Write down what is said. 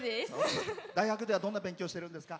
大学ではどんな勉強してるんですか？